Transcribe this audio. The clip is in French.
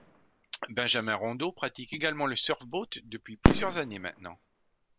Benjamin Rondeau pratique également le surfboat depuis plusieurs années maintenant.